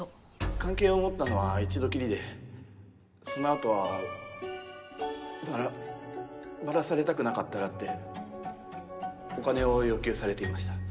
関係を持ったのは一度きりでそのあとはバラバラされたくなかったらってお金を要求されていました